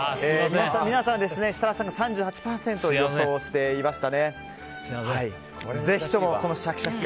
皆さん、設楽さんが３８％予想していました。